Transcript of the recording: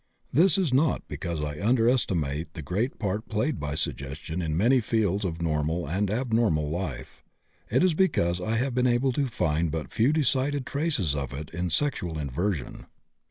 This is not because I underestimate the great part played by suggestion in many fields of normal and abnormal life. It is because I have been able to find but few decided traces of it in sexual inversion.